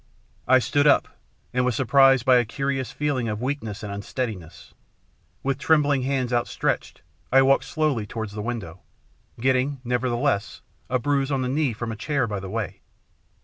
I stood up, and was surprised by a curious feeling of weakness and unsteadiness. With trembling hands outstretched, I walked slowly towards the window, getting, nevertheless, a bruise on the knee from a chair by the way.